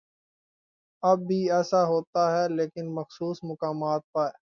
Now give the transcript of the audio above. اب بھی ایسا ہوتا ہے لیکن مخصوص مقامات پہ۔